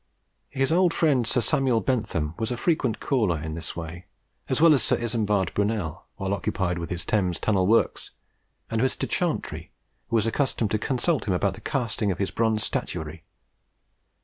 His old friend Sir Samuel Bentham was a frequent caller in this way, as well as Sir Isambard Brunel while occupied with his Thames Tunnel works and Mr. Chantrey, who was accustomed to consult him about the casting of his bronze statuary.